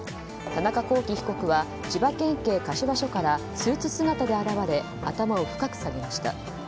田中聖被告は千葉県警柏署からスーツ姿で現れ頭を深く下げました。